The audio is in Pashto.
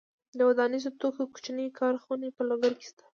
د ودانیزو توکو کوچنۍ کارخونې په لوګر کې شته.